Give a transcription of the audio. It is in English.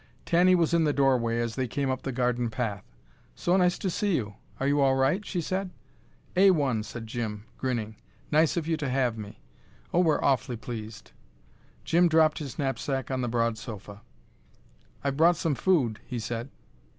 Tanny was in the doorway as they came up the garden path. "So nice to see you! Are you all right?" she said. "A one!" said Jim, grinning. "Nice of you to have me." "Oh, we're awfully pleased." Jim dropped his knapsack on the broad sofa. "I've brought some food," he said.